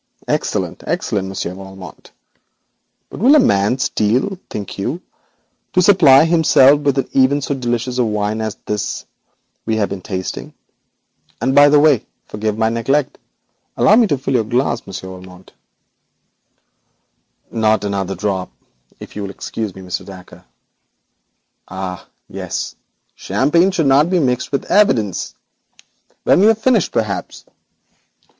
Excellent! excellent! Monsieur Valmont. But will a man steal, think you, even to supply himself with so delicious a wine as this we have been tasting? And, by the way, forgive my neglect, allow me to fill your glass, Monsieur Valmont.' 'Not another drop, if you will excuse me, Mr. Dacre.' 'Ah, yes, champagne should not be mixed with evidence. When we have finished, perhaps.